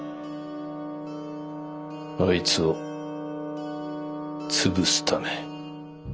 あいつを潰すため。